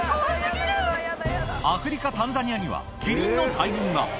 アフリカ・タンザニアには、キリンの大群が。